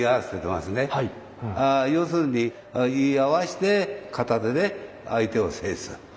要するに居合わして片手で相手を制する。